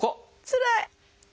つらい！